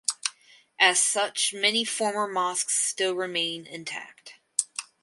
As such many former mosques still remain intact.